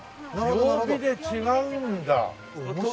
曜日で違うんです。